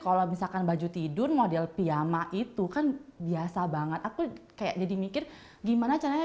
jadi kalau misalkan baju tidur model piyama itu kan biasa banget aku kayak jadi mikir gimana caranya